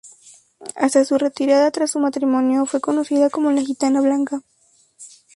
Hasta su retirada tras su matrimonio, fue conocida como La Gitana Blanca.